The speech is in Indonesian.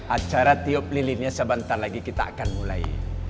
acara tiup lilinnya sebentar lagi kita akan mulai